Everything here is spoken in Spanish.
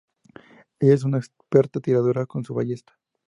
Ella es una experta tiradora con su ballesta.